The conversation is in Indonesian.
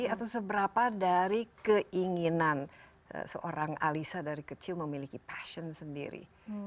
atau seberapa dari keinginan seorang alisa dari kecil memiliki passion sendiri